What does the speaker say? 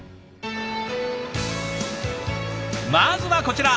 まずはこちら。